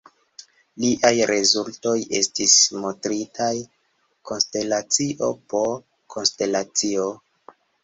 Liaj rezultoj estis montritaj konstelacio po konstelacio.